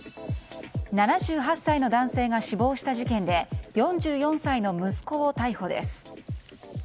７８歳の男性が死亡した事件で４４歳の息子を逮捕です。